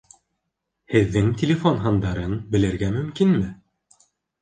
Һеҙҙең телефон һандарын белергә мөмкинме?